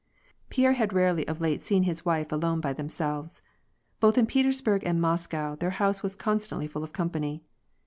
PiERBB had rarely of late seen his wife alone by themselves. Both in Petersburg and Moscow, their house was constantly fall of company.